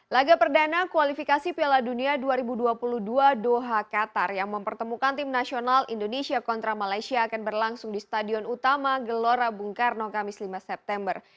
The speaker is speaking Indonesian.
laga perdana kualifikasi piala dunia dua ribu dua puluh dua doha qatar yang mempertemukan tim nasional indonesia kontra malaysia akan berlangsung di stadion utama gelora bung karno kamis lima september